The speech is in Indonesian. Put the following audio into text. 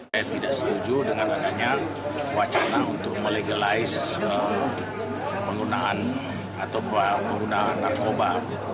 saya tidak setuju dengan adanya wacana untuk melegalize penggunaan atau penggunaan narkoba